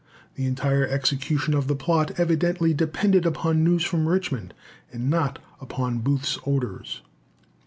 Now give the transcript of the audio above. The entire execution of the plot evidently depended upon news from Richmond, and not upon Booth's orders.